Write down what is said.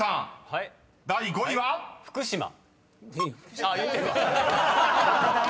あっ言うてるわ。